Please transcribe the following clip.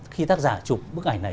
khi tác giả chụp bức ảnh này